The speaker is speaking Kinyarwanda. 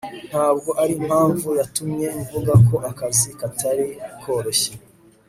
Ntabwo arimpamvu yatumye mvuga ko akazi katari koroshye